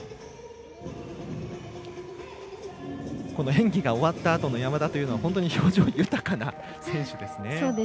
演技が終わったあとの山田は本当に表情豊かな選手ですね。